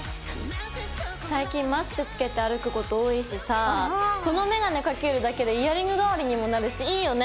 最近マスクつけて歩くこと多いしさこのメガネかけるだけでイヤリング代わりにもなるしいいよね。